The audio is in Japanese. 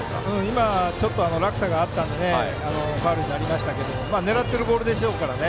今のはちょっと落差があったのでファウルになりましたが狙っているボールでしょうから。